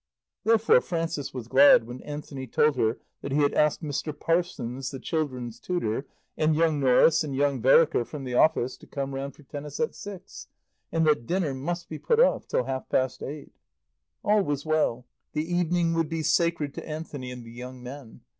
Therefore Frances was glad when Anthony told her that he had asked Mr. Parsons, the children's tutor, and young Norris and young Vereker from the office to come round for tennis at six, and that dinner must be put off till half past eight. All was well. The evening would be sacred to Anthony and the young men.